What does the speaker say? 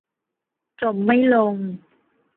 จมไม่ลง